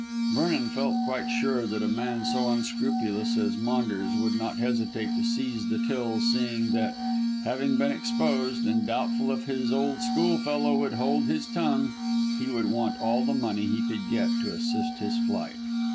Vernon felt quite sure that a man so unscrupulous as Maunders would not hesitate to seize the till seeing that, having been exposed, and doubtful if his old schoolfellow would hold his tongue, he would want all the money he could get to assist his flight.